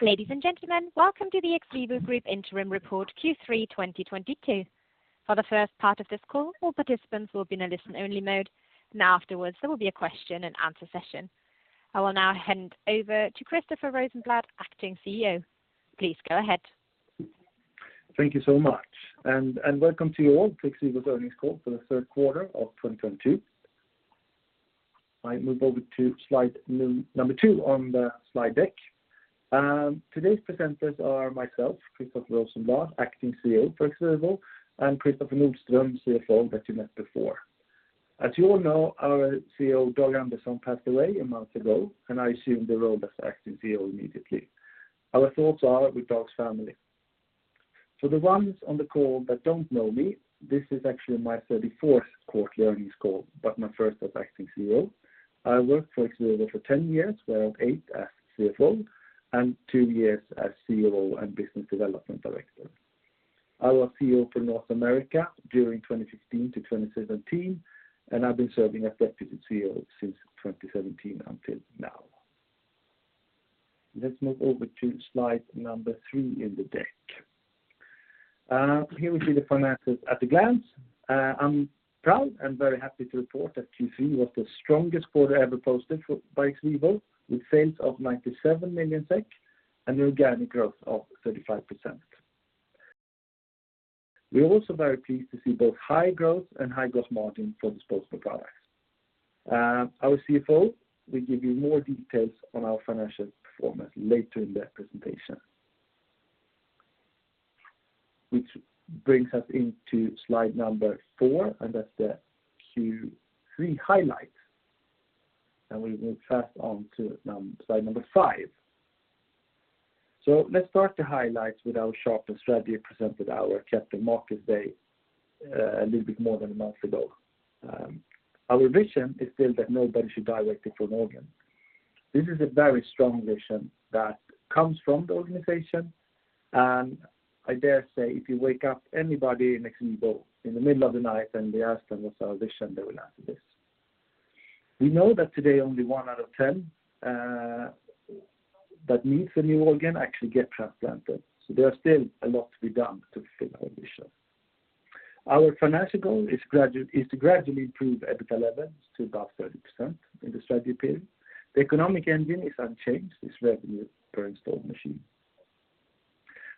Ladies and gentlemen, welcome to the XVIVO Group Interim Report Q3 2022. For the first part of this call, all participants will be in a listen-only mode. Now afterwards, there will be a question and answer session. I will now hand over to Christoffer Rosenblad, acting CEO. Please go ahead. Thank you so much. Welcome to you all to XVIVO's earnings call for the third quarter of 2022. I move over to slide number 2 on the slide deck. Today's presenters are myself, Christoffer Rosenblad, acting CEO for XVIVO, and Kristoffer Nordström, CFO that you met before. As you all know, our CEO, Dag Andersson, passed away a month ago, and I assumed the role as acting CEO immediately. Our thoughts are with Dag's family. For the ones on the call that don't know me, this is actually my 34th quarter earnings call, but my first as acting CEO. I worked for XVIVO for 10 years, where 8 as CFO and 2 years as CEO and business development director. I was CEO for North America during 2016 to 2017, and I've been serving as deputy CEO since 2017 until now. Let's move over to slide number three in the deck. Here we see the finances at a glance. I'm proud and very happy to report that Q3 was the strongest quarter ever posted by XVIVO, with sales of 97 million SEK and an organic growth of 35%. We are also very pleased to see both high growth and high growth margin for disposable products. Our CFO will give you more details on our financial performance later in the presentation. Which brings us into slide number four, and that's the Q3 highlights. We move fast on to slide number five. Let's start the highlights with our sharpened strategy presented at our Capital Market Day, a little bit more than a month ago. Our vision is still that nobody should die waiting for an organ. This is a very strong vision that comes from the organization, and I dare say if you wake up anybody in XVIVO in the middle of the night, and you ask them what's our vision, they will answer this. We know that today only 1 out of 10 that needs a new organ actually get transplanted, so there are still a lot to be done to fulfill our vision. Our financial goal is to gradually improve EBITDA levels to above 30% in the strategy period. The economic engine is unchanged, it's revenue per installed machine.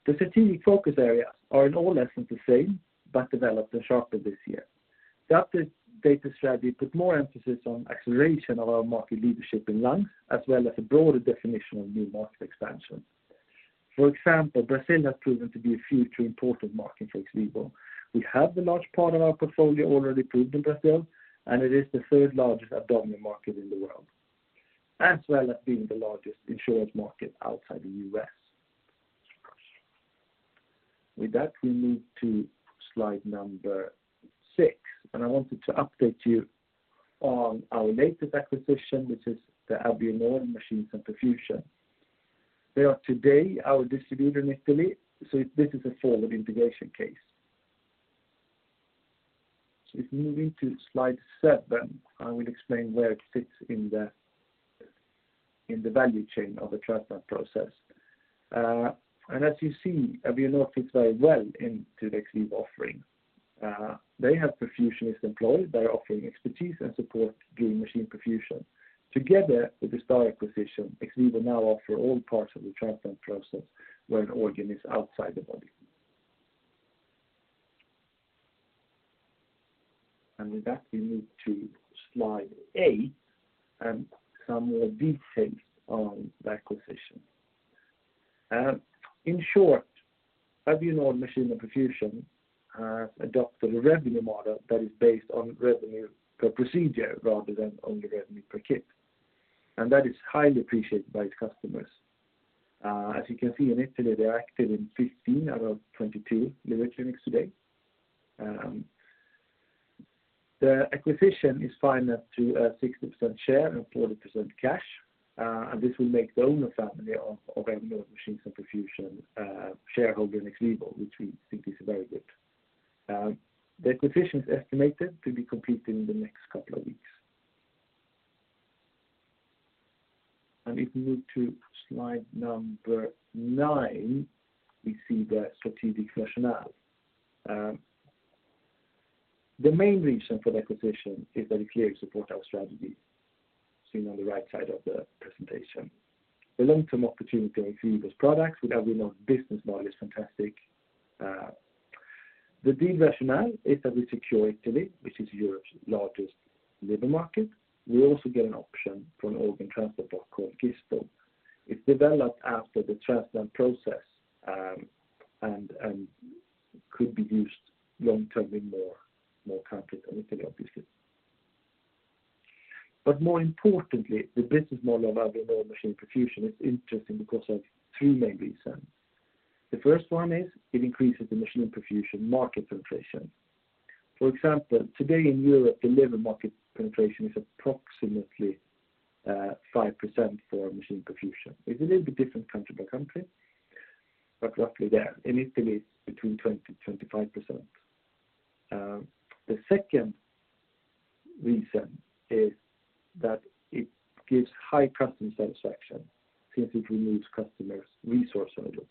The strategic focus areas are in all essence the same, but developed and sharpened this year. The updated strategy put more emphasis on acceleration of our market leadership in lung, as well as a broader definition of new market expansion. For example, Brazil has proven to be a future important market for XVIVO. We have a large part of our portfolio already approved in Brazil, and it is the third-largest abdominal market in the world, as well as being the largest insurance market outside the US. With that, we move to slide number six, and I wanted to update you on our latest acquisition, which is the Avionord Machines & Perfusion. They are today our distributor in Italy, so this is a forward integration case. If we move into slide seven, I will explain where it fits in the value chain of the transplant process. As you see, Avionord fits very well into the XVIVO offering. They have perfusionists employed. They are offering expertise and support during machine perfusion. Together with this acquisition, XVIVO now offer all parts of the transplant process where an organ is outside the body. With that, we move to slide 8, some more details on the acquisition. In short, Avionord Machines & Perfusion has adopted a revenue model that is based on revenue per procedure rather than only revenue per kit, and that is highly appreciated by its customers. As you can see, in Italy, they are active in 15 out of 22 liver clinics today. The acquisition is financed to a 60% share and 40% cash, and this will make the owner family of Avionord Machines & Perfusion shareholder in XVIVO, which we think is very good. The acquisition is estimated to be completed in the next couple of weeks. If we move to slide nine, we see the strategic rationale. The main reason for the acquisition is that it clearly supports our strategy, seen on the right side of the presentation. The long-term opportunity for XVIVO's products with Avionord's business model is fantastic. The deal rationale is that we secure Italy, which is Europe's largest liver market. We also get an option for an organ transport port called GISTO. It's developed after the transplant process and could be used long-term in more countries than Italy, obviously. More importantly, the business model of Avionord Machines & Perfusion is interesting because of three main reasons. The first one is it increases the machine and perfusion market penetration. For example, today in Europe, the liver market penetration is approximately 5% for machine perfusion. It's a little bit different country by country, but roughly there. In Italy, it's between 20-25%. The second reason is that it gives high customer satisfaction since it removes customers' resource hurdles.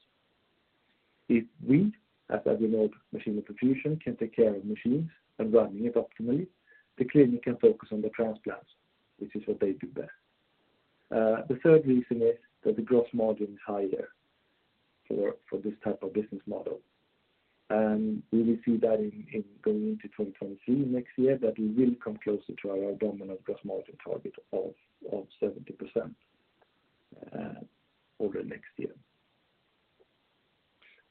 If we, as Avionord Machines & Perfusion, can take care of machines and running it optimally, the clinic can focus on the transplants, which is what they do best. The third reason is that the gross margin is higher for this type of business model. We will see that in going into 2023 next year that we will come closer to our abdominal gross margin target of 70% over next year.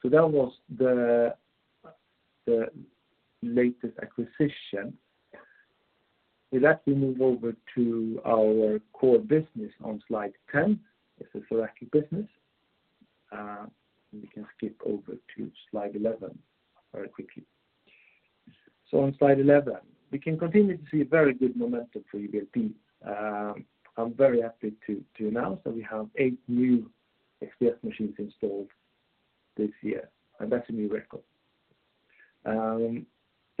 That was the latest acquisition. With that we move over to our core business on slide ten. This is thoracic business. We can skip over to slide eleven very quickly. On slide eleven, we can continue to see a very good momentum for EVLP. I'm very happy to announce that we have eight new XPS machines installed this year, and that's a new record. The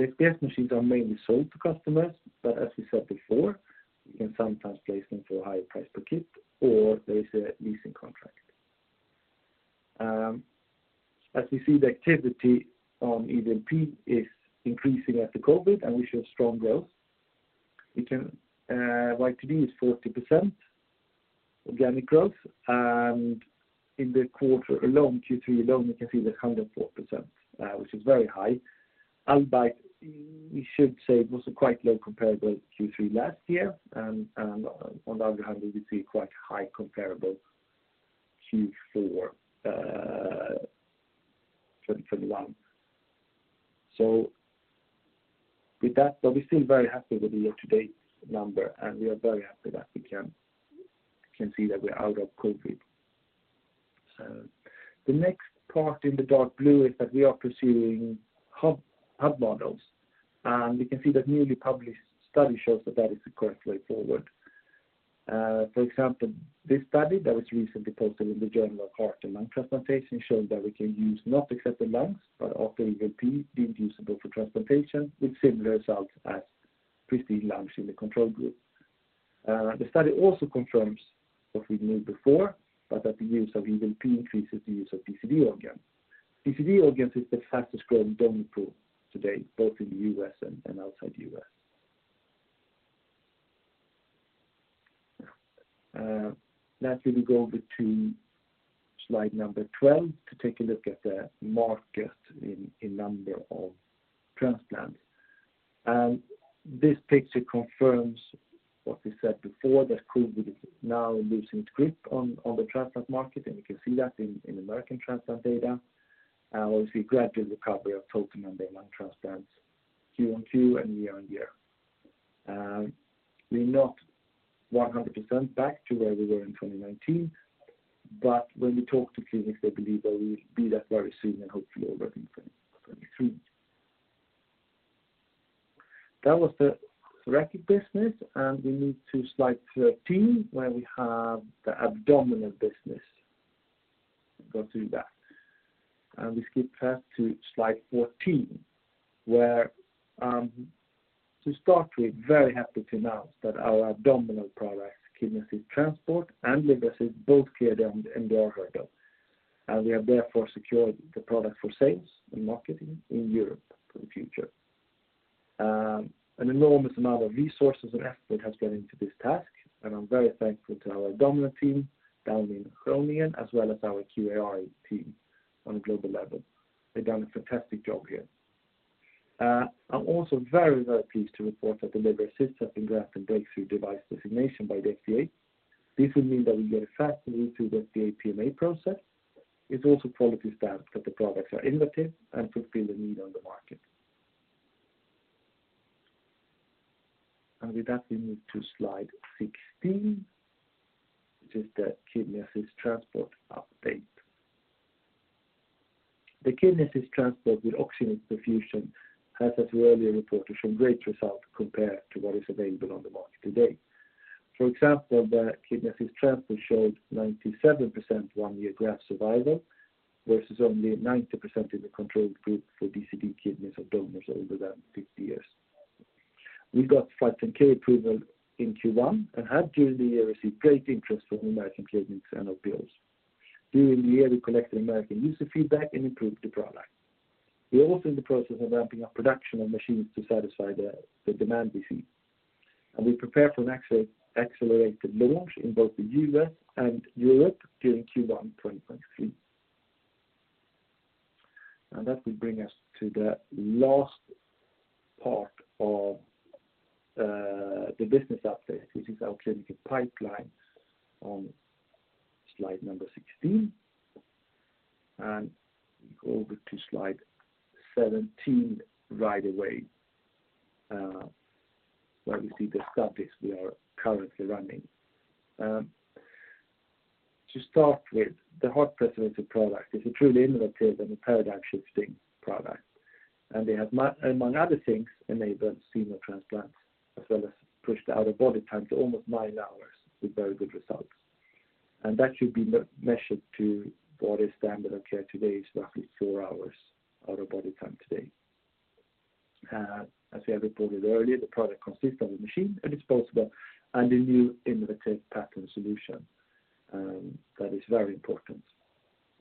XPS machines are mainly sold to customers, but as we said before, we can sometimes place them for a higher price per kit, or there is a leasing contract. As we see the activity on EVLP is increasing after COVID, and we show strong growth. We can YTD is 40% organic growth, and in the quarter alone, Q3 alone, we can see that 104%, which is very high. Albeit we should say it was a quite low comparable Q3 last year. On the other hand, we see quite high comparable Q4 2021. We're still very happy with the year-to-date number, and we are very happy that we can see that we're out of COVID. The next part in the dark blue is that we are pursuing hub models, and we can see that newly published study shows that that is the correct way forward. For example, this study that was recently posted in The Journal of Heart and Lung Transplantation showed that we can use not accepted lungs, but after EVLP being usable for transplantation with similar results as pristine lungs in the control group. The study also confirms what we knew before, but that the use of EVLP increases the use of DCD organs. DCD organs is the fastest-growing donor pool today, both in the U.S. and outside the U.S. Naturally we go over to slide number twelve to take a look at the market in number of transplants. This picture confirms what we said before, that COVID is now losing its grip on the transplant market, and we can see that in American transplant data. We see gradual recovery of total lung and lung transplants Q-on-Q and year-on-year. We're not 100% back to where we were in 2019, but when we talk to clinics, they believe that we will be there very soon and hopefully already in 2023. That was the thoracic business, and we move to slide thirteen, where we have the abdominal business. Go to that. We skip ahead to slide fourteen, where, to start with, very happy to announce that our abdominal products, Kidney Assist Transport and Liver Assist, both cleared in the EU. We have therefore secured the product for sales and marketing in Europe for the future. An enormous amount of resources and effort has gone into this task, and I'm very thankful to our abdominal team down in Groningen, as well as our QA/RA team on a global level. They've done a fantastic job here. I'm also very, very pleased to report that the Liver Assist has been granted breakthrough device designation by the FDA. This will mean that we get a faster way through the FDA PMA process. It's also a quality stamp that the products are innovative and fulfill the need on the market. With that, we move to slide sixteen, which is the Kidney Assist Transport update. The Kidney Assist Transport with oxygenated perfusion has, as we earlier reported, shown great results compared to what is available on the market today. For example, the Kidney Assist Transport showed 97% one-year graft survival versus only 90% in the control group for DCD kidneys of donors older than 50 years. We got 510(k) approval in Q1 and have during the year received great interest from American clinics and OPOs. During the year, we collected American user feedback and improved the product. We are also in the process of ramping up production on machines to satisfy the demand we see. We prepare for an accelerated launch in both the US and Europe during Q1 2023. That will bring us to the last part of the business update, which is our clinical pipeline on slide number sixteen. We go over to slide seventeen right away, where we see the studies we are currently running. To start with, the heart preservation product is a truly innovative and a paradigm-shifting product. They have, among other things, enabled DCD transplants, as well as pushed the out-of-body time to almost 9 hours with very good results. That should be measured to what is standard of care today is roughly 4 hours out of body time today. As I reported earlier, the product consists of a machine and disposable and a new innovative perfusion solution that is very important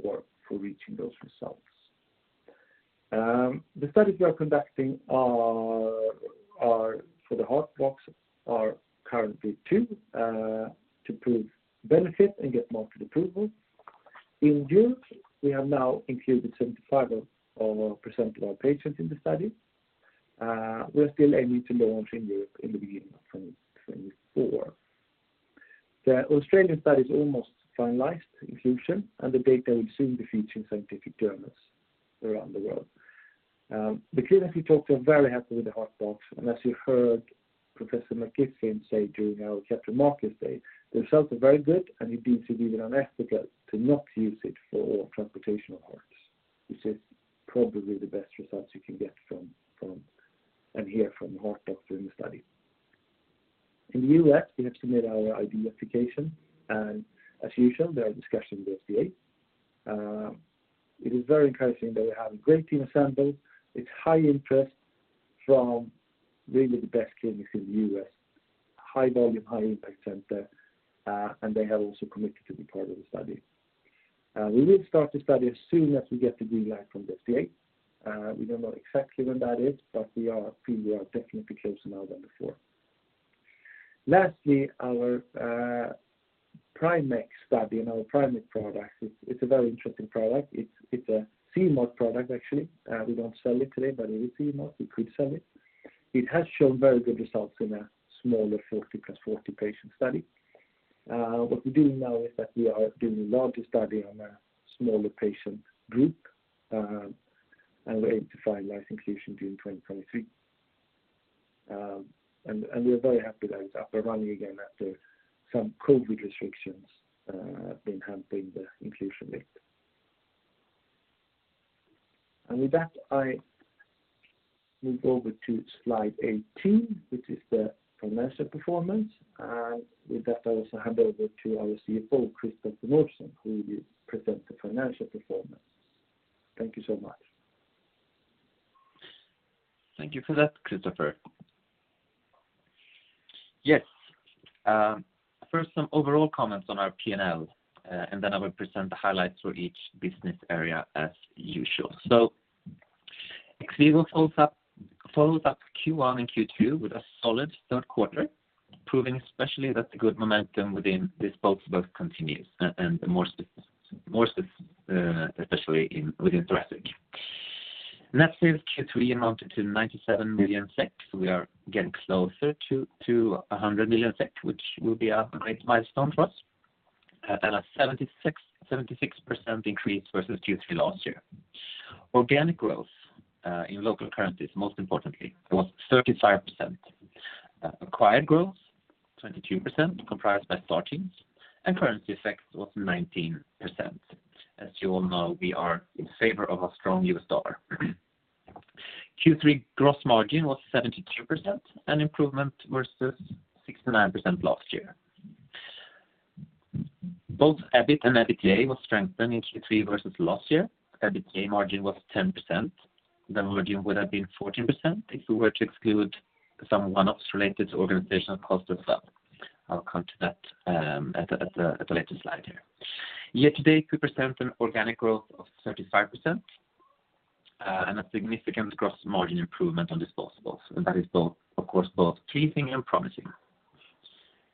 for reaching those results. The studies we are conducting are for the HeartBox are currently two to prove benefit and get market approval. In Europe, we have now included 75% of our patients in the study. We are still aiming to launch in Europe in the beginning of 2024. The Australian study is almost finalized inclusion, and the data will soon be featured in scientific journals around the world. The clinics we talked to are very happy with the HeartBox. As you heard Professor Macdonald say during our Capital Markets Day, the results are very good, and it would be considered unethical to not use it for transportation of hearts, which is probably the best results you can get from and hear from the HeartBox during the study. In the US, we have submitted our IDE application, and as usual, there are discussions with the FDA. It is very encouraging that we have a great team assembled. It's high interest from really the best clinics in the US, high volume, high impact center, and they have also committed to be part of the study. We will start the study as soon as we get the green light from the FDA. We don't know exactly when that is, but feel we are definitely closer now than before. Lastly, our PRIM-PERF study and our PrimeMed product. It's a very interesting product. It's a CE-marked product, actually. We don't sell it today, but it is CE-marked. We could sell it. It has shown very good results in a smaller 40 + 40 patient study. What we're doing now is that we are doing a larger study on a smaller patient group, and we aim to finalize inclusion during 2023. We are very happy that it's up and running again after some COVID restrictions have been hampering the inclusion rate. With that, I move over to slide eightee, which is the financial performance. With that, I also hand over to our CFO, Kristoffer Nordström, who will present the financial performance. Thank you so much. Thank you for that, Christoffer. Yes. First some overall comments on our P&L, and then I will present the highlights for each business area as usual. XVIVO follows up Q1 and Q2 with a solid third quarter, proving especially that the good momentum within disposables continues and more so, especially within thoracic. Net sales Q3 amounted to 97 million SEK. We are getting closer to 100 million SEK, which will be a great milestone for us, and a 76% increase versus Q3 last year. Organic growth in local currencies, most importantly, was 35%. Acquired growth, 22% comprised by Star Teams, and currency effect was 19%. As you all know, we are in favor of a strong US dollar. Q3 gross margin was 72%, an improvement versus 69% last year. Both EBIT and EBITDA was strengthened in Q3 versus last year. EBITDA margin was 10%. The margin would have been 14% if we were to exclude some one-offs related to organizational cost of sale. I'll come to that at a later slide here. Year to date, we present an organic growth of 35%, and a significant gross margin improvement on disposables. That is of course both pleasing and promising.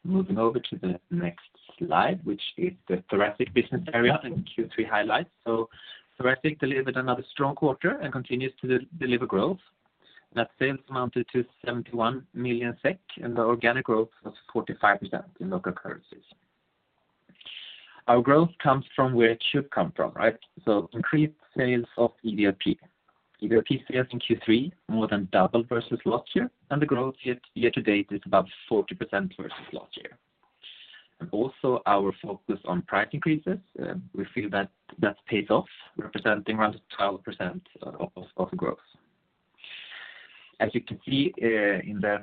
Moving over to the next slide, which is the thoracic business area and Q3 highlights. Thoracic delivered another strong quarter and continues to deliver growth. Net sales amounted to 71 million SEK and the organic growth was 45% in local currencies. Our growth comes from where it should come from, right? Increased sales of EVLP. EVLP sales in Q3 more than doubled versus last year, and the growth year-to-date is about 40% versus last year. Our focus on price increases, we feel that that's paid off, representing around 12% of growth. As you can see, in the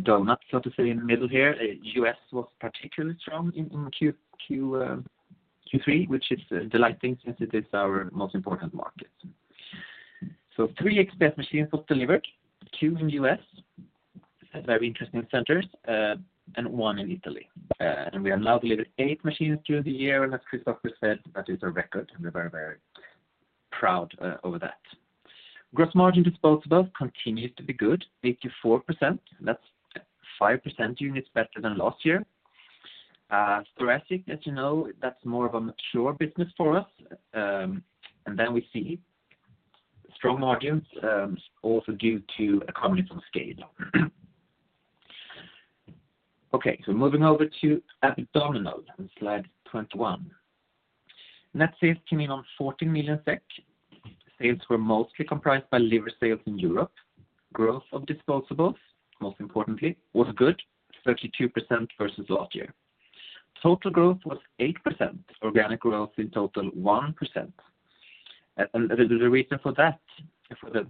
donut, so to say, in the middle here, US was particularly strong in Q3, which is delightful since it is our most important market. Three XPS machines was delivered, two in the US at very interesting centers, and one in Italy. We have now delivered 8 machines during the year. As Kristoffer said, that is a record, and we're very, very proud over that. Gross margin disposables continues to be good, 84%. That's 5 percentage points better than last year. Thoracic, as you know, that's more of a mature business for us. We see strong margins, also due to economies of scale. Okay, moving over to abdominal on slide 21. Net sales came in at 14 million SEK. Sales were mostly comprised of liver sales in Europe. Growth of disposables, most importantly, was good, 32% versus last year. Total growth was 8%. Organic growth in total, 1%. The reason for that, for the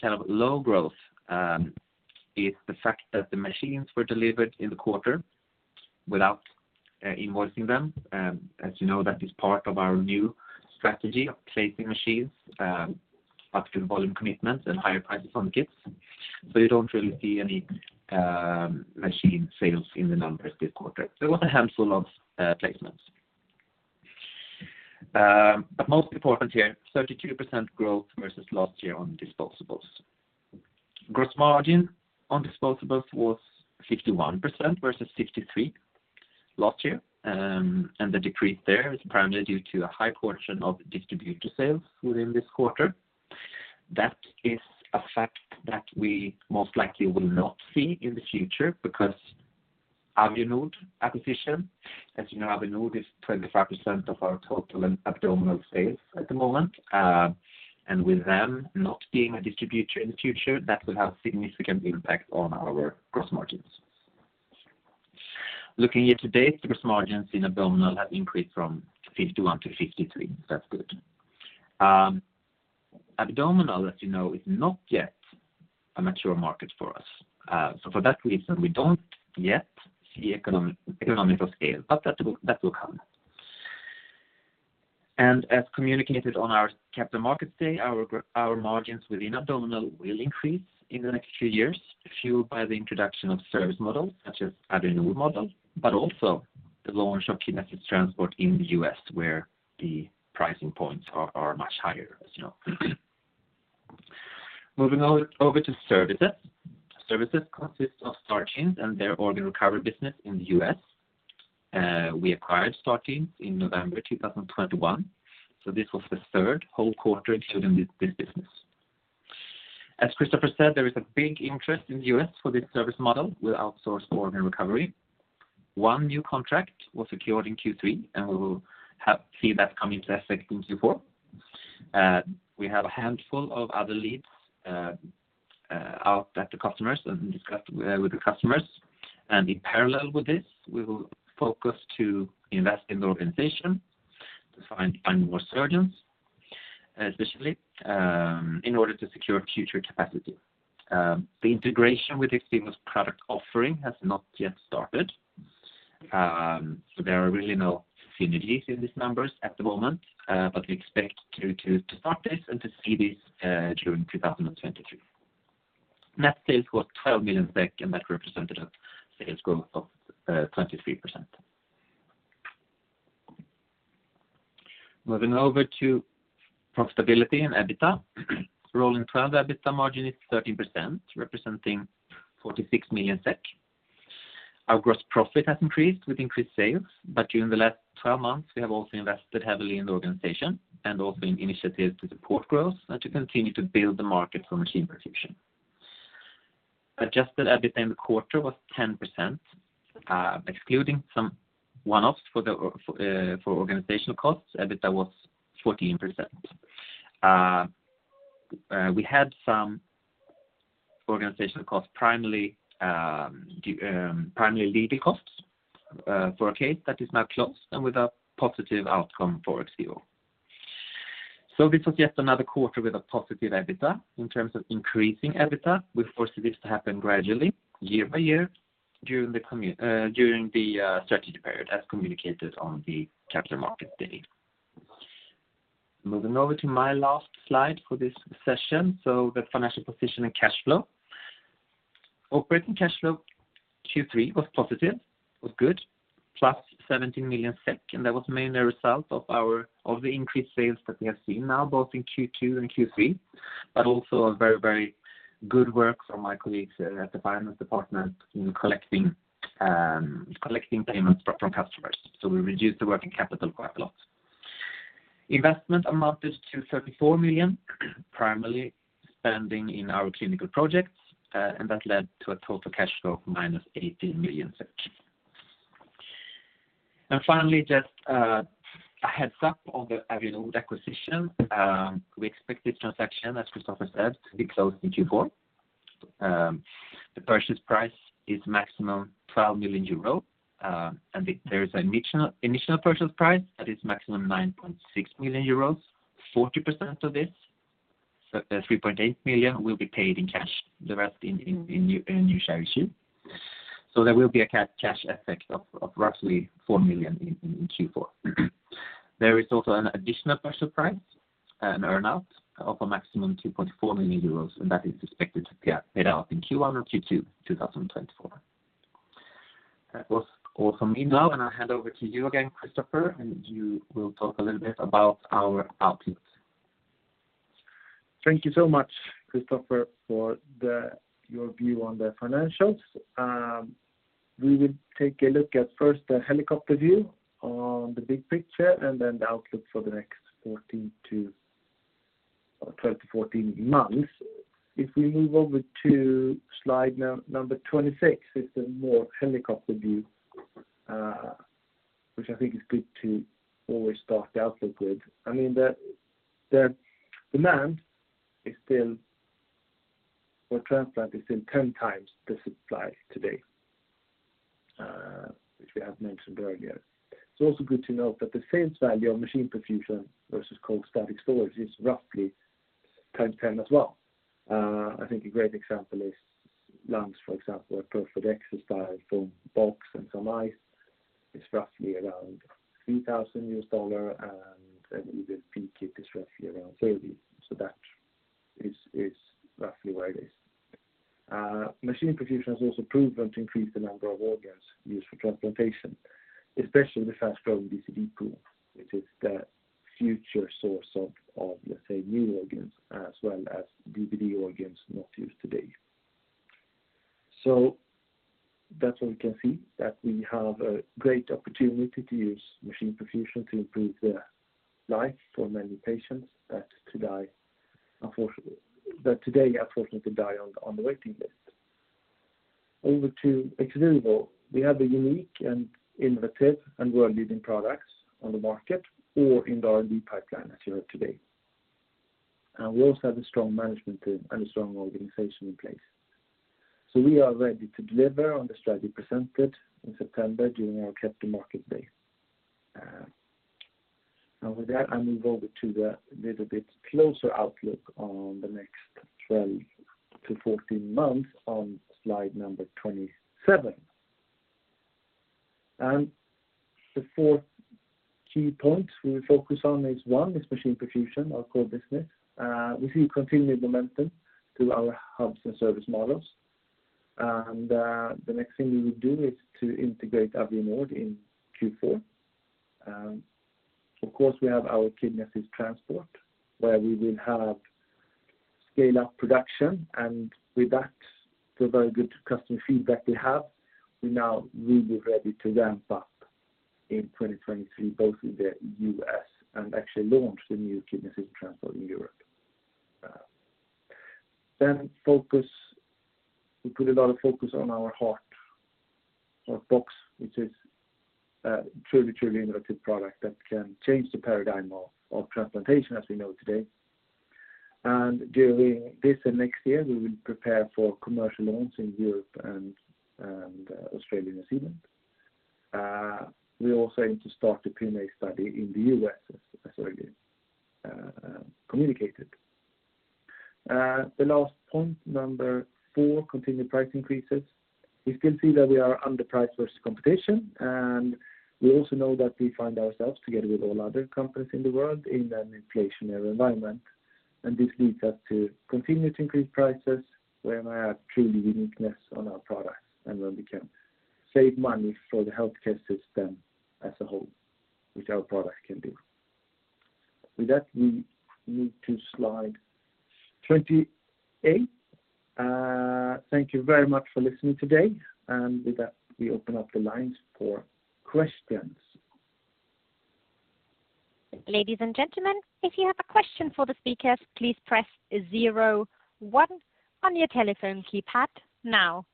kind of low growth, is the fact that the machines were delivered in the quarter without invoicing them. As you know, that is part of our new strategy of placing machines up to the volume commitments and higher prices on the kits. You don't really see any machine sales in the non-prescribed quarter. There was a handful of placements. Most important here, 32% growth versus last year on disposables. Gross margin on disposables was 51% versus 63% last year. The decrease there is primarily due to a high portion of distributor sales within this quarter. That is a fact that we most likely will not see in the future because Avionord acquisition. As you know, Avionord is 25% of our total abdominal sales at the moment. With them not being a distributor in the future, that will have significant impact on our gross margins. Looking year to date, gross margins in abdominal have increased from 51% to 53%. That's good. Abdominal, as you know, is not yet a mature market for us. For that reason, we don't yet see economies of scale, but that will come. As communicated on our capital markets day, our margins within abdominal will increase in the next few years, fueled by the introduction of service models such as Avionord model, but also the launch of Kidney Assist Transport in the US where the pricing points are much higher, as you know. Moving over to services. Services consists of STAR Teams and their organ recovery business in the US. We acquired STAR Teams in November 2021. This was the third full quarter including this business. As Kristoffer said, there is a big interest in the US for this service model with outsourced organ recovery. One new contract was secured in Q3, and we will see that come into effect in Q4. We have a handful of other leads out at the customers and discussed with the customers. In parallel with this, we will focus to invest in the organization to find more surgeons, especially, in order to secure future capacity. The integration with Star Teams' product offering has not yet started. There are really no synergies in these numbers at the moment, but we expect to start this and to see this during 2022. Net sales was 12 million, and that represented a sales growth of 23%. Moving over to profitability and EBITDA. Rolling twelve EBITDA margin is 13%, representing 46 million SEK. Our gross profit has increased with increased sales, but during the last twelve months, we have also invested heavily in the organization and also in initiatives to support growth and to continue to build the market for machine perfusion. Adjusted EBITDA in the quarter was 10%. Excluding some one-offs for organizational costs, EBITDA was 14%. We had some organizational costs, primarily legal costs, for a case that is now closed and with a positive outcome for XVIVO. This was just another quarter with a positive EBITDA. In terms of increasing EBITDA, we foresee this to happen gradually, year by year, during the strategy period, as communicated on the capital market day. Moving over to my last slide for this session. The financial position and cash flow. Operating cash flow Q3 was positive, was good, plus 17 million SEK, and that was mainly a result of the increased sales that we have seen now, both in Q2 and Q3, but also a very, very good work from my colleagues at the finance department in collecting payments from customers. We reduced the working capital quite a lot. Investment amounted to 34 million, primarily spending in our clinical projects, and that led to a total cash flow of minus 18 million. Finally, just a heads-up on the Avionord acquisition. We expect this transaction, as Christopher said, to be closed in Q4. The purchase price is maximum 12 million euro, and there is an initial purchase price that is maximum 9.6 million euros. 40% of this, so 3.8 million, will be paid in cash, the rest in new share issue. There will be a cash effect of roughly 4 million in Q4. There is also an additional purchase price, an earn-out of a maximum 2.4 million euros, and that is expected to be paid out in Q1 or Q2 2024. That was all from me now, and I'll hand over to you again, Christopher, and you will talk a little bit about our outlook. Thank you so much, Kristoffer, for your view on the financials. We will take a look at first the helicopter view on the big picture and then the outlook for the next 12 to 14 months. If we move over to slide number twenty six, it's a more helicopter view, which I think is good to always start the outlook with. I mean, the demand for transplants is still ten times the supply today, which we have mentioned earlier. It's also good to note that the sales value of machine perfusion versus cold static storage is roughly 10 times as well. I think a great example is lungs, for example, Perfadex is bought for a box and some ice. It's roughly around $3,000 and then even the XPS is roughly around $30,000. That is roughly where it is. Machine perfusion has also proven to increase the number of organs used for transplantation, especially the fast-growing DCD pool, which is the future source of, let's say, new organs as well as DBD organs not used today. That's all we can see, that we have a great opportunity to use machine perfusion to improve the life for many patients that today unfortunately die on the waiting list. Over to XVIVO. We have a unique and innovative and world-leading products on the market or in the R&D pipeline as you have today. We also have a strong management team and a strong organization in place. We are ready to deliver on the strategy presented in September during our Capital Market Day. With that, I move over to the little bit closer outlook on the next 12-14 months on slide number twenty seven. The fourth key point we focus on is one, is machine perfusion, our core business. We see continued momentum through our hubs and service models. The next thing we would do is to integrate Avionord in Q4. Of course, we have our Kidney Assist Transport, where we will have scale-up production. With that, the very good customer feedback we have, we now will be ready to ramp up in 2023, both in the US and actually launch the new Kidney Assist Transport in Europe. Focus. We put a lot of focus on our Heart Box, which is a truly innovative product that can change the paradigm of transplantation as we know today. During this and next year, we will prepare for commercial launches in Europe and Australia, New Zealand. We also aim to start the PMA study in the US as already communicated. The last point, number four, continued price increases. You can see that we are underpriced versus competition. We also know that we find ourselves together with all other companies in the world in an inflationary environment. This leads us to continue to increase prices where we have true uniqueness on our products and where we can save money for the healthcare system as a whole, which our product can do. With that, we move to slide 28. Thank you very much for listening today. With that, we open up the lines for questions. Ladies and gentlemen, if you have a question for the speakers, please press zero one on your telephone keypad now.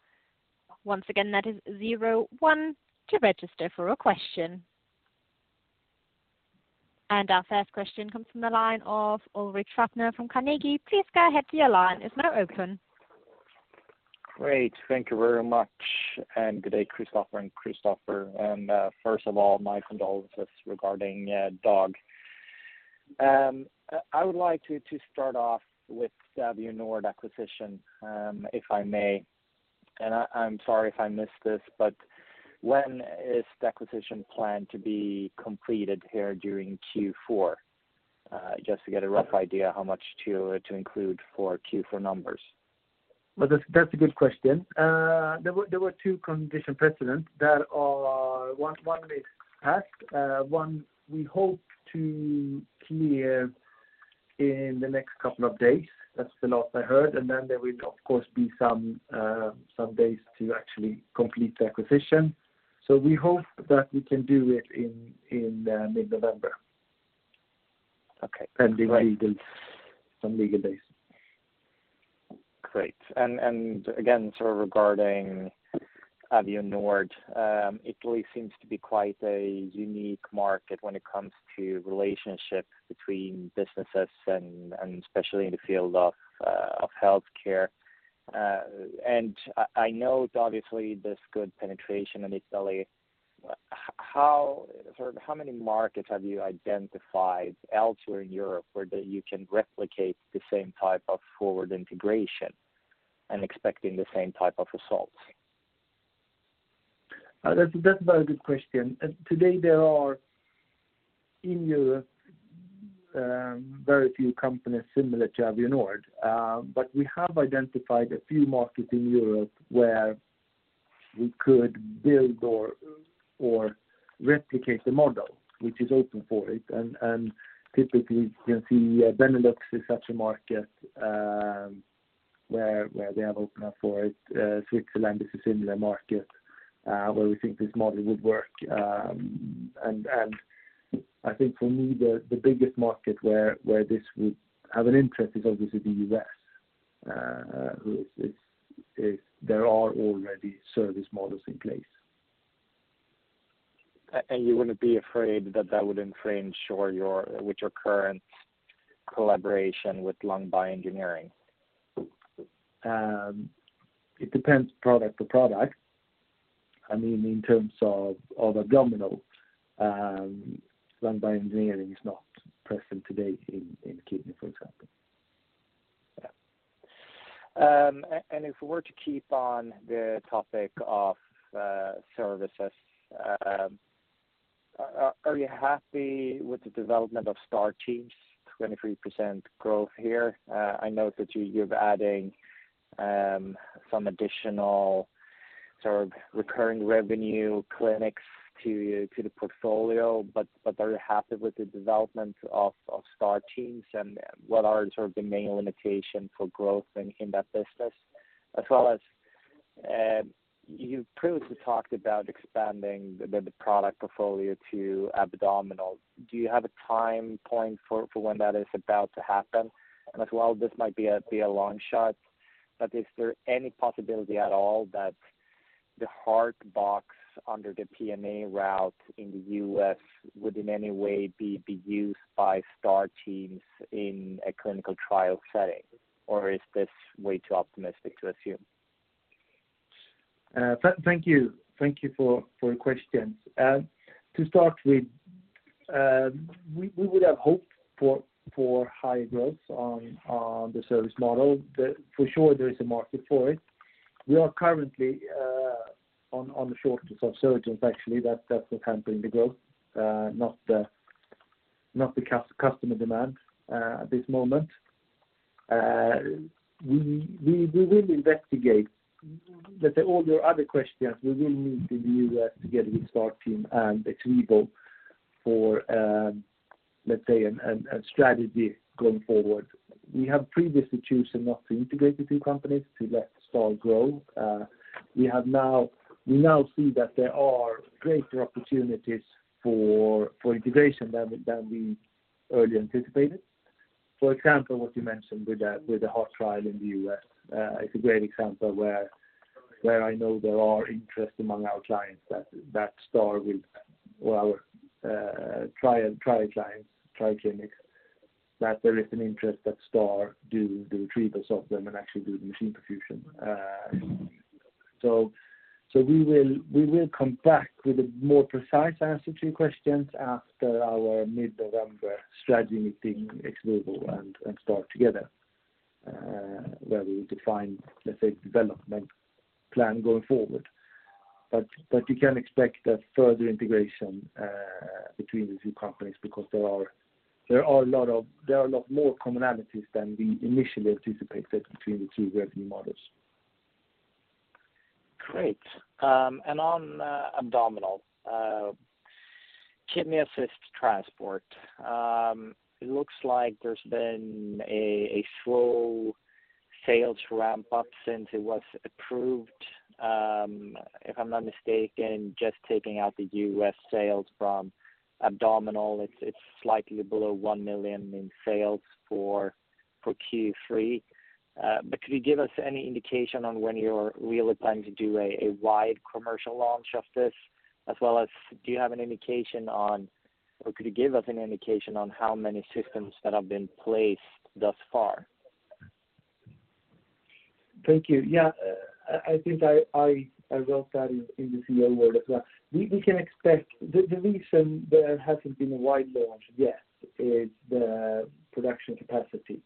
Once again, that is zero one to register for a question. Our first question comes from the line of Ulrik Trattner from Carnegie. Please go ahead. Your line is now open. Great. Thank you very much. Good day, Christoffer and Kristoffer. First of all, my condolences regarding Dag. I would like to start off with the Avionord acquisition, if I may, and I'm sorry if I missed this, but when is the acquisition planned to be completed here during Q4? Just to get a rough idea how much to include for Q4 numbers. Well, that's a good question. There were two conditions precedent that are one we passed, one we hope to clear in the next couple of days. That's the last I heard. There will of course be some days to actually complete the acquisition. We hope that we can do it in mid-November. Okay. The legal, some legal days. Great. Again, sort of regarding Avionord, Italy seems to be quite a unique market when it comes to relationships between businesses and especially in the field of healthcare. I know obviously there's good penetration in Italy. How, sort of how many markets have you identified elsewhere in Europe where that you can replicate the same type of forward integration and expecting the same type of results? That's a very good question. Today, there are in Europe very few companies similar to Avionord. But we have identified a few markets in Europe where we could build or replicate the model, which is open for it. Typically you can see, Benelux is such a market, where they have opened up for it. Switzerland is a similar market, where we think this model would work. I think for me, the biggest market where this would have an interest is obviously the U.S., where there are already service models in place. You wouldn't be afraid that that would infringe with your current collaboration with Lung Bioengineering? It depends product to product. I mean, in terms of abdominal, Lung Bioengineering is not present today in kidney, for example. If we were to keep on the topic of services, are you happy with the development of Star Teams, 23% growth here? I note that you're adding some additional sort of recurring revenue clinics to the portfolio, but are you happy with the development of Star Teams and what are sort of the main limitation for growth in that business? As well as, you previously talked about expanding the product portfolio to abdominal. Do you have a time point for when that is about to happen? As well, this might be a long shot, but is there any possibility at all that the Heart Box under the PMA route in the U.S. would in any way be used by Star Teams in a clinical trial setting? Is this way too optimistic to assume? Thank you for your questions. To start with, we would have hoped for higher growth on the service model. For sure there is a market for it. We are currently on a shortage of surgeons actually that's what's hampering the growth, not the customer demand at this moment. We will investigate. All your other questions, we will need to view together with Star Teams and XVIVO for, let's say, a strategy going forward. We have previously chosen not to integrate the two companies to let Star Teams grow. We now see that there are greater opportunities for integration than we earlier anticipated. For example, what you mentioned with the heart trial in the U.S. is a great example where I know there are interest among our clients that Star will, well, trial clients, trial clinics, that there is an interest that Star do the retrievals of them and actually do the machine perfusion. So we will come back with a more precise answer to your questions after our mid-November strategy meeting, XVIVO and Star together, where we will define, let's say, development plan going forward. You can expect a further integration between the two companies because there are a lot more commonalities than we initially anticipated between the two revenue models. Great. On abdominal Kidney Assist Transport, it looks like there's been a slow sales ramp up since it was approved. If I'm not mistaken, just taking out the US sales from abdominal, it's slightly below 1 million in sales for Q3. Could you give us any indication on when you're really planning to do a wide commercial launch of this, as well as could you give us an indication on how many systems that have been placed thus far? Thank you. Yeah, I think I wrote that in the CEO word as well. We can expect the reason there hasn't been a wide launch yet is the production capacity.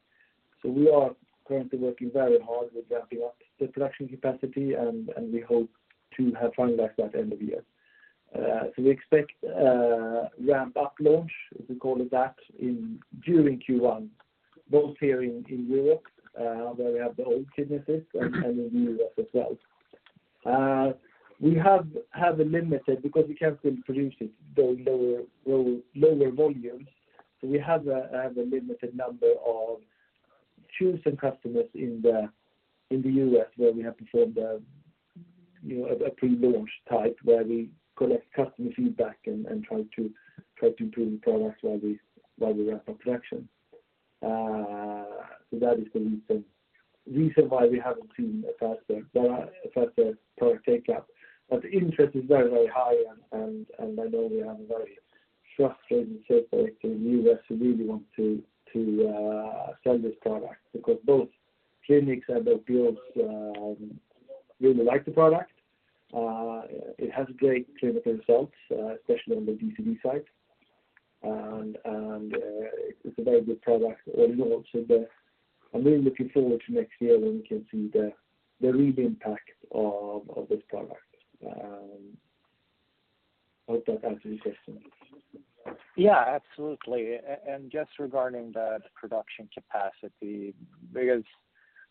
We are currently working very hard with ramping up the production capacity and we hope to have finalized that end of year. We expect a ramp-up launch, if we call it that, during Q1, both here in Europe, where we have the whole Kidney Assist and in the US as well. We have a limited because we can still produce it, though lower volumes. We have a limited number of chosen customers in the US where we have performed a pre-launch type where we collect customer feedback and try to improve the product while we ramp up production. That is the reason why we haven't seen a faster product take up. Interest is very high and I know we have a very frustrated sales director in US who really want to sell this product because both clinics and OPOs really like the product. It has great clinical results, especially on the DCD side. It's a very good product overall. I'm really looking forward to next year when we can see the real impact of this product. Hope that answers your question. Yeah, absolutely. Just regarding the production capacity, because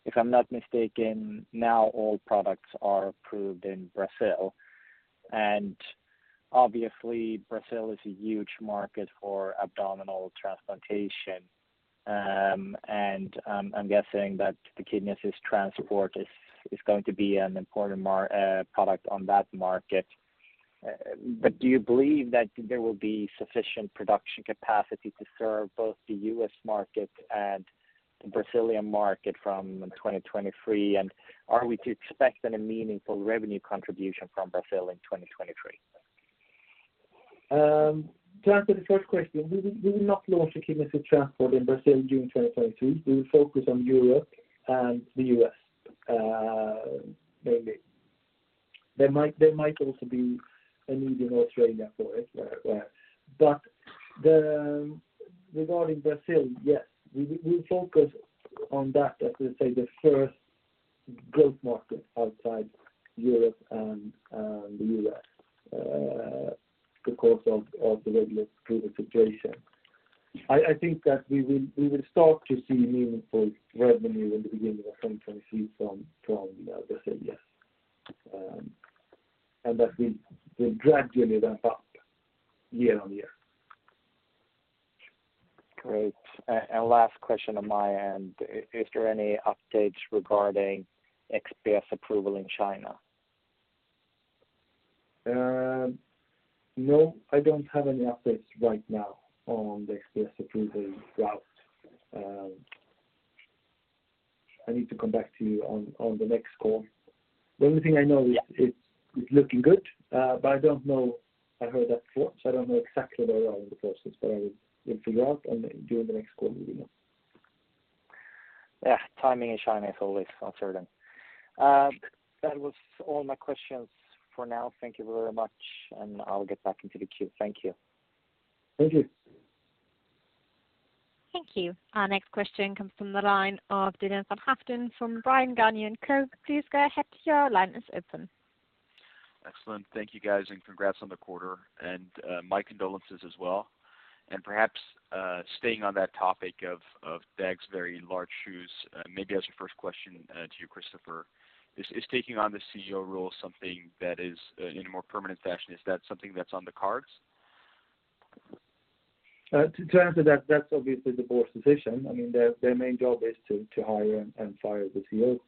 if I'm not mistaken, now all products are approved in Brazil. Obviously Brazil is a huge market for abdominal transplantation. I'm guessing that the Kidney Assist Transport is going to be an important product on that market. Do you believe that there will be sufficient production capacity to serve both the U.S. market and The Brazilian market from 2023, and are we to expect any meaningful revenue contribution from Brazil in 2023? To answer the first question, we will not launch a chemotherapy transport in Brazil in June 2022. We will focus on Europe and the US, mainly. There might also be a need in Australia for it. Regarding Brazil, yes. We focus on that, as I say, the first growth market outside Europe and the US, because of the regulatory situation. I think that we will start to see meaningful revenue in the beginning of 2023 from Brazil, yes. That we will gradually ramp up year on year. Great. Last question on my end. Is there any updates regarding XPS approval in China? No, I don't have any updates right now on the XPS approval route. I need to come back to you on the next call. The only thing I know is it's looking good, but I don't know. I heard that before, so I don't know exactly where they are in the process, but I will figure out, and during the next call you will know. Yeah. Timing in China is always uncertain. That was all my questions for now. Thank you very much, and I'll get back into the queue. Thank you. Thank you. Thank you. Our next question comes from the line of Dylan van Haaften from Bryan Garnier & Co. Please go ahead. Your line is open. Excellent. Thank you guys, and congrats on the quarter. My condolences as well. Perhaps staying on that topic of Dag's very large shoes, maybe as a first question to you, Christoffer. Is taking on the CEO role something that is in a more permanent fashion? Is that something that's on the cards? To answer that's obviously the board's decision. I mean, their main job is to hire and fire the CEO.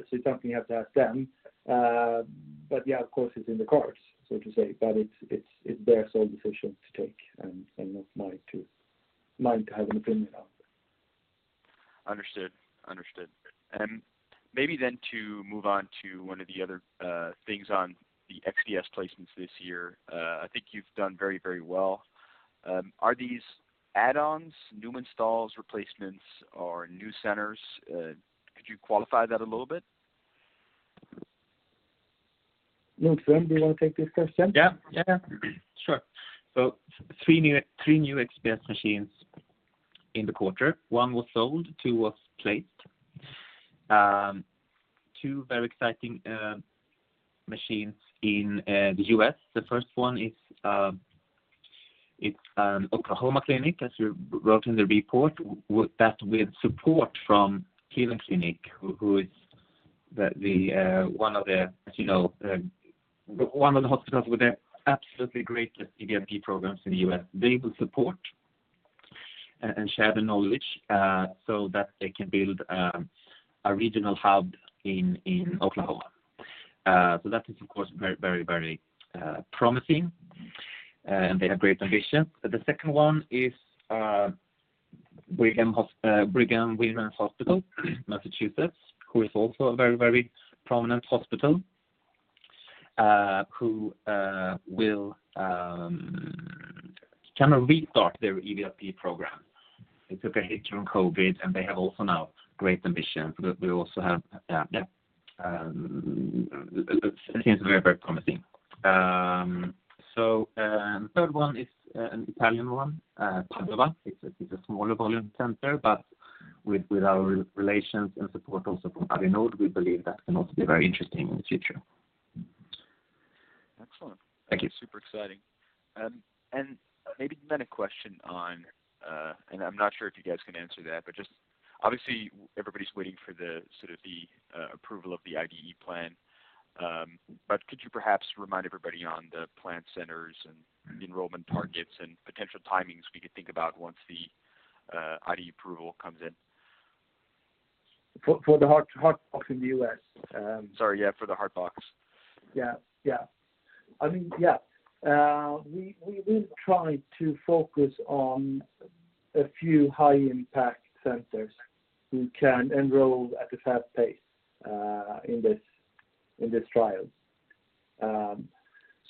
It's something you have to ask them. Yeah, of course, it's in the cards, so to say. It's their sole decision to take, and not mine to have an opinion of. Understood. Maybe then to move on to one of the other things on the XPS placements this year. I think you've done very well. Are these add-ons, new installs, replacements or new centers? Could you qualify that a little bit? Jens, do you wanna take this question? Yeah. Yeah, yeah. Sure. 3 new XPS machines in the quarter. 1 was sold, 2 was placed. 2 very exciting machines in the US. The first one is. It's an Oklahoma clinic, as you wrote in the report. With support from Cleveland Clinic who is the one of the, as you know, one of the hospitals with an absolutely great EVLP programs in the US. They will support and share the knowledge so that they can build a regional hub in Oklahoma. So that is, of course, very promising, and they have great ambition. The second one is Brigham and Women's Hospital in Massachusetts, who is also a very prominent hospital who will kinda restart their EVLP program. They took a hit during COVID, and they have also now great ambition. We also have it seems very promising. Third one is an Italian one, Padova. It's a smaller volume center, but with our relations and support also from Avionord, we believe that can also be very interesting in the future. Excellent. Thank you. Super exciting. Maybe then a question on, and I'm not sure if you guys can answer that, but just obviously everybody's waiting for the sort of the approval of the IDE plan. Could you perhaps remind everybody on the planned centers and enrollment targets and potential timings we could think about once the IDE approval comes in? For the Heart Box in the US, Sorry, yeah, for the Heart Box. I mean, yeah. We will try to focus on a few high impact centers who can enroll at a fast pace in this trial.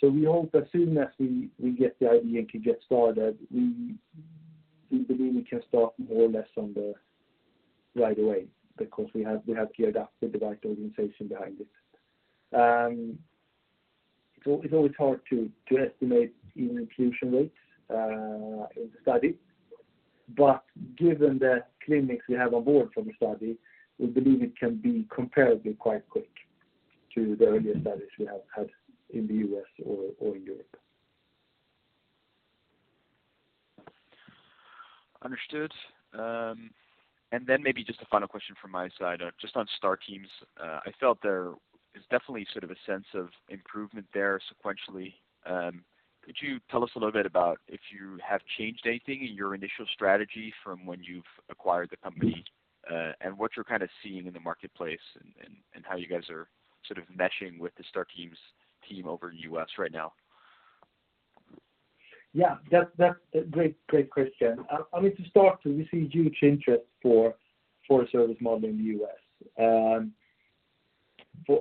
We hope as soon as we get the IDE and can get started, we believe we can start more or less right away because we have geared up with the right organization behind it. It's always hard to estimate your inclusion rates in the study. Given the clinics we have on board for the study, we believe it can be comparatively quite quick to the earlier studies we have had in the U.S. or in Europe. Understood. Maybe just a final question from my side. Just on Star Teams, I felt there is definitely sort of a sense of improvement there sequentially. Could you tell us a little bit about if you have changed anything in your initial strategy from when you've acquired the company, and what you're kinda seeing in the marketplace and how you guys are sort of meshing with the Star Teams team over in U.S. right now? Yeah, that's a great question. I mean, to start, we see huge interest for a service model in the U.S.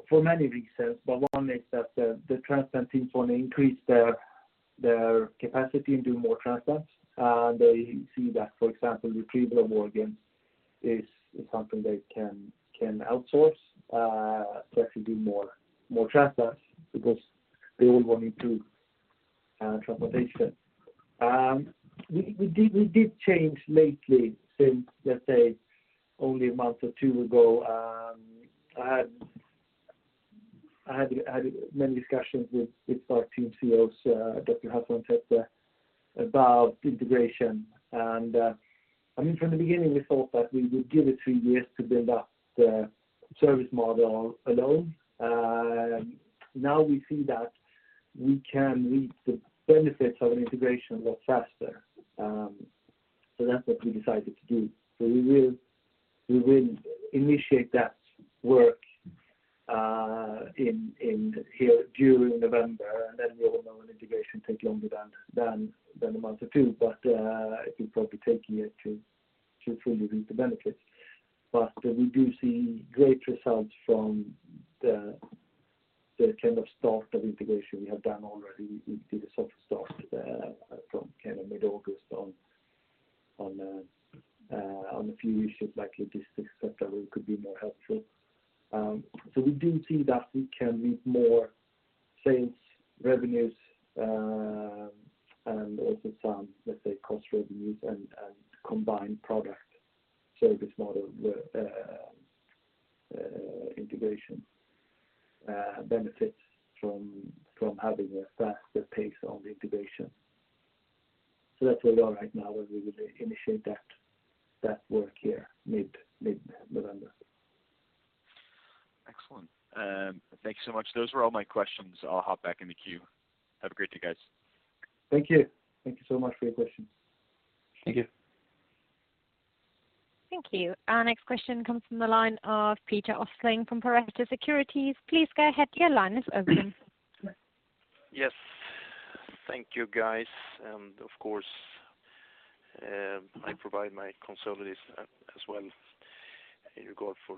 For many reasons, but one is that the transplant teams want to increase their capacity and do more transplants. They see that, for example, retrieval of organs is something they can outsource to actually do more transplants because they all want to do transplantation. We did change lately since, let's say, only a month or two ago. I had many discussions with our team CEOs, Dr. Magnus Nilsson said, about integration. I mean, from the beginning, we thought that we would give it three years to build up the service model alone. Now we see that we can reap the benefits of an integration a lot faster. That's what we decided to do. We will initiate that work in here during November. We all know an integration take longer than a month or two. It will probably take a year to fully reap the benefits. We do see great results from the kind of start of integration we have done already. We did a soft start from kind of mid-August on a few issues like logistics that could be more helpful. We do see that we can reap more sales revenues, and also some, let's say, cost revenues and combined product service model integration benefits from having a faster pace on the integration. That's where we are right now, where we will initiate that work here mid-November. Excellent. Thank you so much. Those were all my questions. I'll hop back in the queue. Have a great day, guys. Thank you. Thank you so much for your questions. Thank you. Thank you. Our next question comes from the line of Peter Östling from Pareto Securities. Please go ahead, your line is open. Yes. Thank you, guys. Of course, I provide my condolences as well for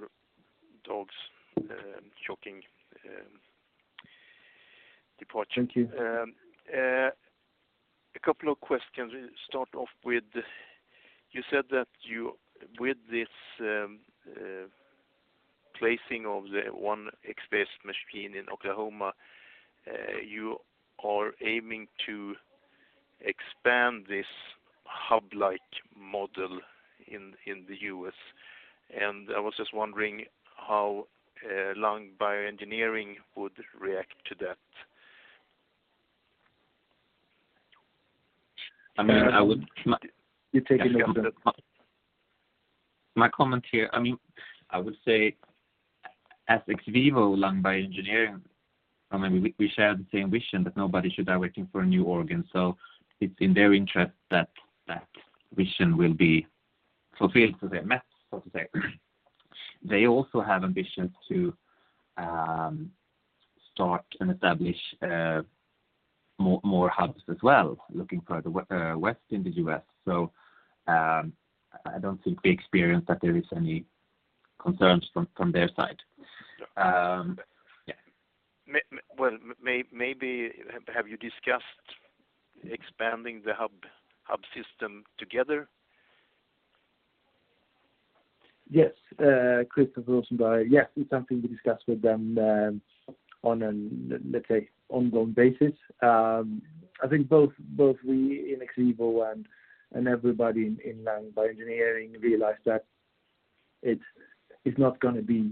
Dag's shocking departure. Thank you. A couple of questions. Start off with, you said that with this placing of the 1 XPS machine in Oklahoma, you are aiming to expand this hub-like model in the US. I was just wondering how Lung Bioengineering would react to that. I mean, You take it, Jonathan. My comment here, I mean, I would say as XVIVO Lung Bioengineering, I mean, we share the same vision that nobody should die waiting for a new organ. It's in their interest that that vision will be fulfilled to their max, so to say. They also have ambitions to start and establish more hubs as well, looking further west in the U.S. I don't think we experience that there is any concerns from their side. Yeah. Well, maybe have you discussed expanding the hub system together? Yes. Christoffer Rosenblad. Yes, it's something we discussed with them on a let's say ongoing basis. I think both we in XVIVO and everybody in Lung Bioengineering realize that it's not gonna be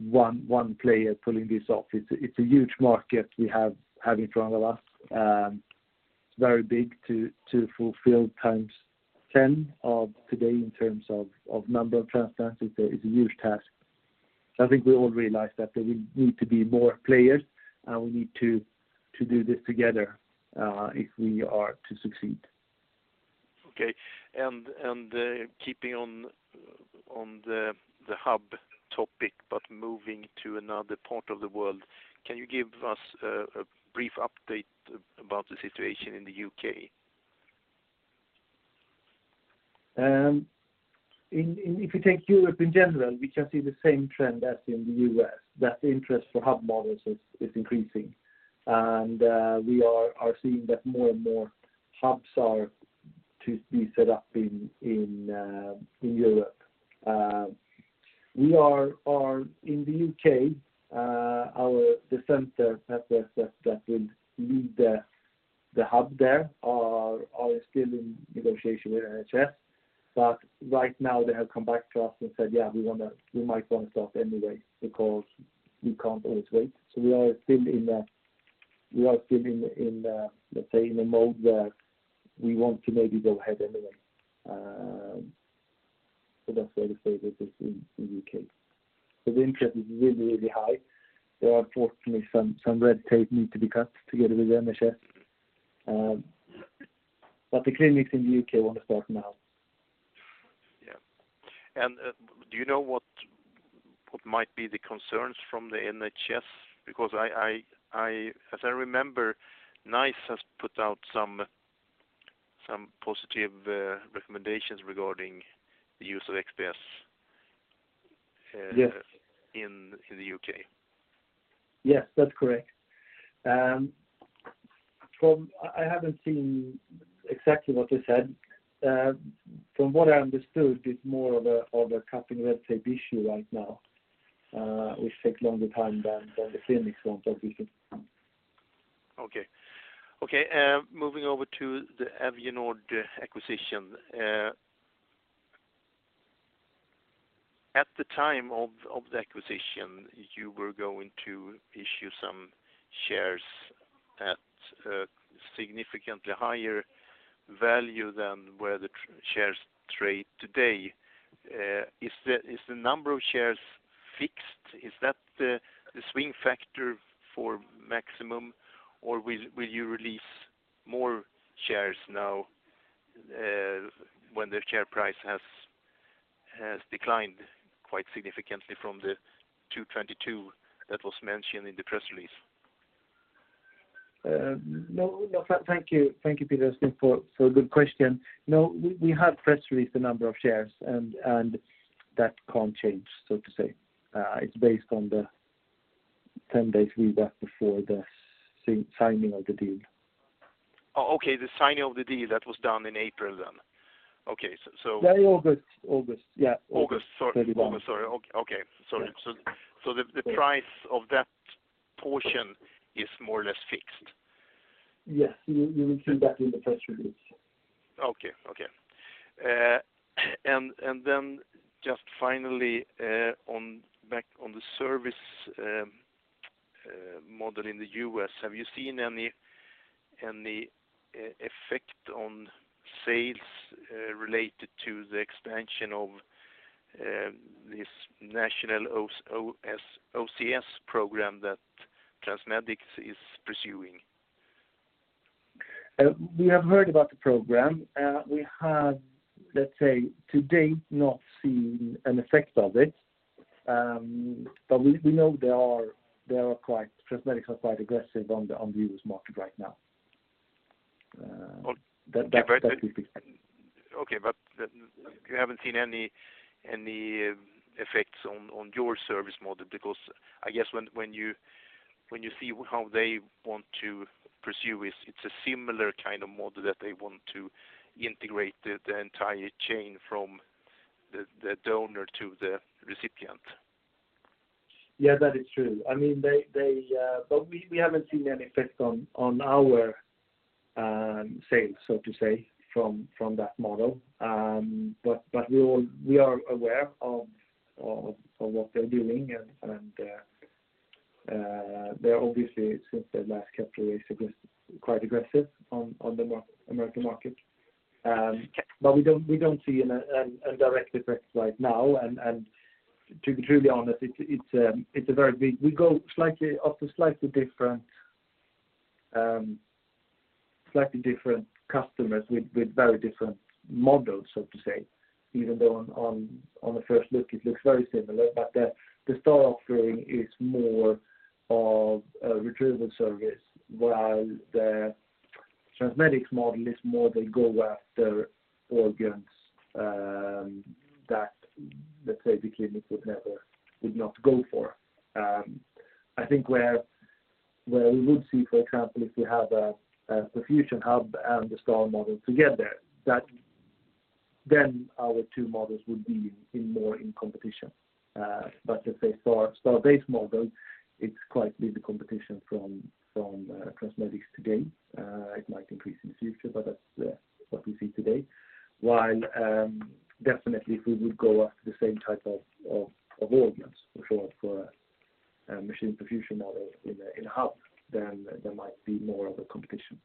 one player pulling this off. It's a huge market having in front of us. Very big to fulfill times 10 of today in terms of number of transplants. It's a huge task. I think we all realize that there will need to be more players, and we need to do this together, if we are to succeed. Okay. Keeping on the hub topic, but moving to another part of the world, can you give us a brief update about the situation in the U.K.? If you take Europe in general, we can see the same trend as in the U.S., that interest for hub models is increasing. We are seeing that more and more hubs are to be set up in Europe. We are in the U.K., the center that will lead the hub there are still in negotiation with NHS. Right now, they have come back to us and said, "Yeah, we might wanna start anyway because we can't always wait." We are still in, let's say, a mode where we want to maybe go ahead anyway. That's where the fever is in the UK. The interest is really, really high. There are unfortunately some red tape need to be cut together with NHS. The clinics in the UK want to start now. Do you know what might be the concerns from the NHS? Because I, as I remember, NICE has put out some positive recommendations regarding the use of XPS. Yes in the U.K. Yes, that's correct. I haven't seen exactly what they said. From what I understood, it's more of a cutting red tape issue right now, which take longer time than the clinical investigation. Moving over to the Avionord acquisition. At the time of the acquisition, you were going to issue some shares at a significantly higher value than where the shares trade today. Is the number of shares fixed? Is that the swing factor for maximum, or will you release more shares now, when the share price has declined quite significantly from the 222 that was mentioned in the press release? No, no. Thank you. Thank you, Peter, for a good question. No, we have press released the number of shares and that can't change, so to say. It's based on the 10-day feedback before the signing of the deal. The signing of the deal, that was done in April then. August. Yeah, August. August. Very long. August. Sorry. Okay. Sorry. Yeah. The price of that portion is more or less fixed. Yes. We will see that in the press release. Just finally, back on the service model in the US. Have you seen any effect on sales related to the expansion of this national OCS program that TransMedics is pursuing? We have heard about the program, and we have, let's say, to date, not seen an effect of it. We know TransMedics are quite aggressive on the U.S. market right now. That would be. Okay. You haven't seen any effects on your service model because I guess when you see how they want to pursue it's a similar kind of model that they want to integrate the entire chain from the donor to the recipient. Yeah, that is true. I mean, we haven't seen any effect on our sales, so to say, from that model. We are aware of what they're doing and they're obviously, since their last capital raise, quite aggressive on the American market. We don't see a direct effect right now. To be honest, we go after slightly different customers with very different models, so to say. Even though on the first look, it looks very similar, but the Star offering is more of a retrieval service, while the TransMedics model is more they go after organs, that, let's say, the clinics would not go for. I think where we would see, for example, if we have a perfusion hub and the Star model together, that then our two models would be in more competition. Let's say Star-based model, it's quite little competition from TransMedics to date. It might increase in the future, but that's what we see today. While definitely, if we would go after the same type of organs, for sure, for machine perfusion model in a hub, then there might be more of a competition.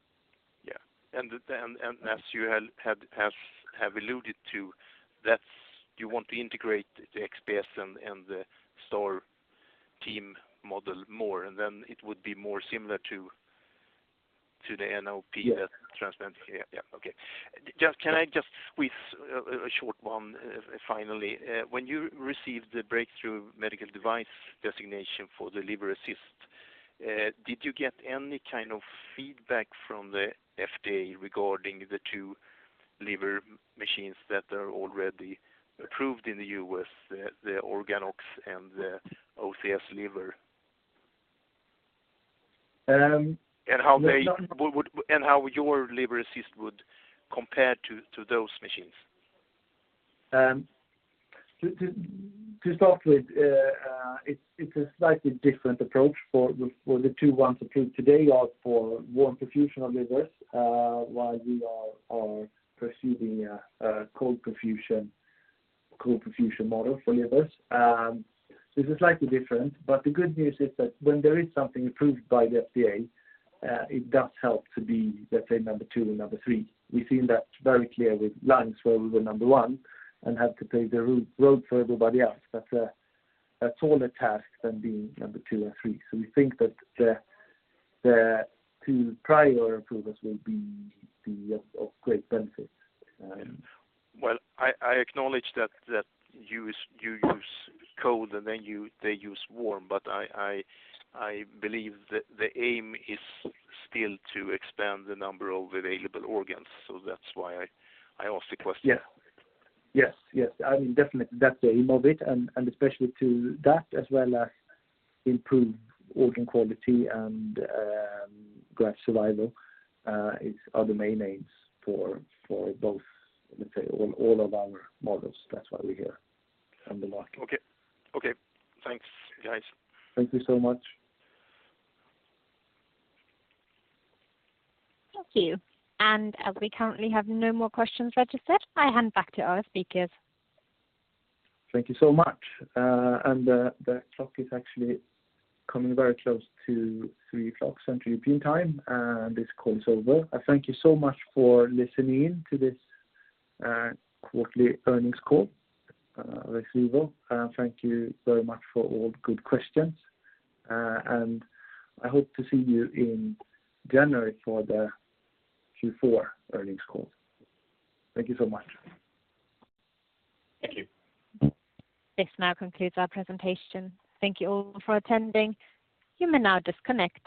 Yeah. As you have alluded to, that's you want to integrate the XPS and the Star Teams model more, and then it would be more similar to the NOP- Yes That TransMedics. Okay. Can I just ask a short one finally. When you received the breakthrough medical device designation for the Liver Assist, did you get any kind of feedback from the FDA regarding the two liver machines that are already approved in the U.S., the OrganOx and the OCS Liver? Um, there's no- How your Liver Assist would compare to those machines? To start with, it's a slightly different approach. The two ones approved today are for warm perfusion of livers while we are pursuing a cold perfusion model for livers. It's slightly different, but the good news is that when there is something approved by the FDA, it does help to be, let's say, number two and number three. We've seen that very clearly with lungs where we were number one and had to pave the road for everybody else. That's a lot more of a task than being number two and three. We think that the two prior approvals will be of great benefit. Well, I acknowledge that you use cold and then they use warm, but I believe the aim is still to expand the number of available organs. That's why I asked the question. Yeah. Yes. Yes. I mean, definitely that's the aim of it and especially to that, as well as improve organ quality and graft survival, are the main aims for both, let's say, all of our models. That's why we're here on the market. Okay. Okay. Thanks, guys. Thank you so much. Thank you. As we currently have no more questions registered, I hand back to our speakers. Thank you so much. The clock is actually coming very close to 3:00 P.M. Central European Time, and this call is over. I thank you so much for listening to this quarterly earnings call with XVIVO. Thank you very much for all the good questions. I hope to see you in January for the Q4 earnings call. Thank you so much. Thank you. This now concludes our presentation. Thank you all for attending. You may now disconnect.